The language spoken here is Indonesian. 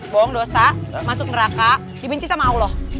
bohong dosa masuk neraka dibenci sama allah